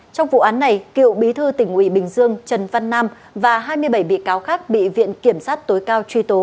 trong vụ án này cựu bí thư tỉnh ủy bình dương trần văn nam và hai mươi bảy bị cáo khác bị viện kiểm sát tối cao truy tố